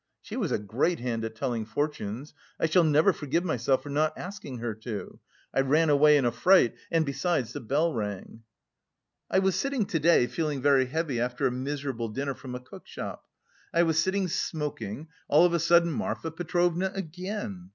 She was a great hand at telling fortunes. I shall never forgive myself for not asking her to. I ran away in a fright, and, besides, the bell rang. I was sitting to day, feeling very heavy after a miserable dinner from a cookshop; I was sitting smoking, all of a sudden Marfa Petrovna again.